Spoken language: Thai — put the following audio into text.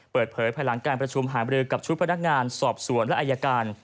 เปิดเผยภายหลังการประชุมหาบริกับชุดพนักงานสอบสวนและอายการ